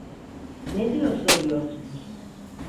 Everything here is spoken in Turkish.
Ne diye soruyorsunuz?